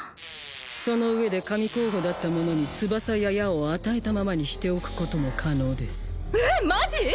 その上で神候補だった者に翼や矢を与えたままにしておくことも可能ですえっマジ！？